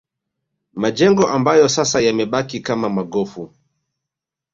Majengo ambayo sasa yamebaki kama magofu